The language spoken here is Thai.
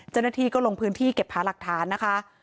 เจ้าหน้าที่ก็ลงพื้นที่เก็บหาหลักฐานนะคะ